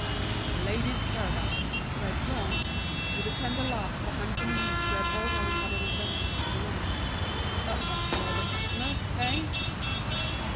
"The Ladies' Paradise," read Jean, with the tender laugh of a handsome youth who had already had an adventure with a woman. "That must draw the customers—eh?"